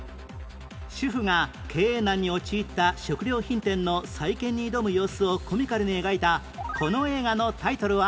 主婦が経営難に陥った食料品店の再建に挑む様子をコミカルに描いたこの映画のタイトルは？